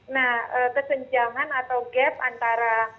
nah kesenjangan atau gap antara